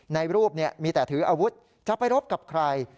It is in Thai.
ในรูปมีแต่ถืออาวุธจะไปรบกับใคร